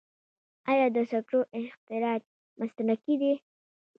آیا د سکرو استخراج مسلکي دی؟